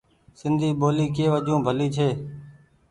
سندي ٻولي ڪي وجون ڀلي ڇي۔